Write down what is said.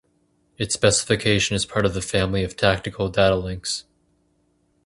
Its specification is part of the family of Tactical Data Links.